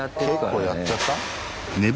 結構やっちゃった？